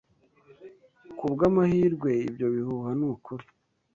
Kubwamahirwe, ibyo bihuha nukuri.